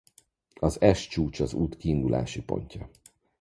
A s csúcs az út kiindulási pontja.